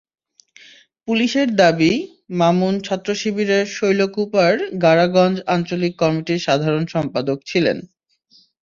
পুলিশের দাবি, মামুন ছাত্রশিবিরের শৈলকুপার গাড়াগঞ্জ আঞ্চলিক কমিটির সাধারণ সম্পাদক ছিলেন।